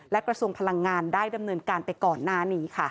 และกระทรวงพลังงานได้ดำเนินการไปก่อนหน้านี้ค่ะ